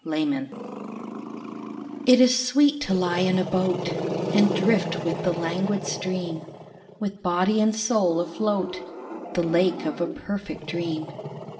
DRIFTING It is sweet to lie in a boat, And drift with the languid stream, With body and soul afloat The lake of a perfect dream.